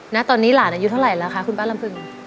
ณตอนนี้หลานอายุเท่าไหร่แล้วคะคุณป้าลำพึง